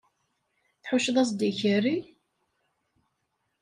Tḥucceḍ-as-d i ikerri?